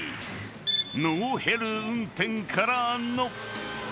［ノーヘル運転からの］